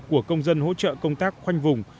của công dân hỗ trợ công tác khoanh vùng